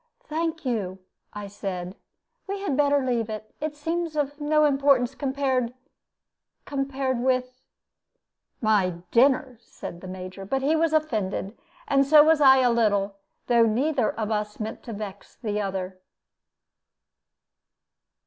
"Thank you," I said; "we had better leave it. It seems of no importance, compared compared with " "My dinner!" said the Major; but he was offended, and so was I a little, though neither of us meant to vex the other.